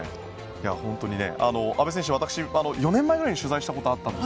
阿部選手、私、４年前くらいに取材したことがあったんです。